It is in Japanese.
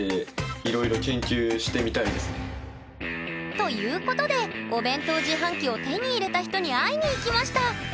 ということでお弁当自販機を手に入れた人に会いに行きました。